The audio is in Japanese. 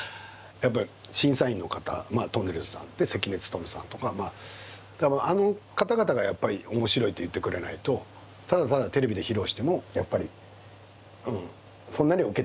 やっぱり審査員の方とんねるずさんがいて関根勤さんとかあの方々がやっぱり面白いと言ってくれないとただただテレビで披露してもやっぱりそんなにはウケてなかったと思いますよ。